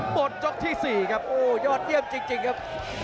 หมดยกที่๔ครับโอ้ยอดเยี่ยมจริงครับ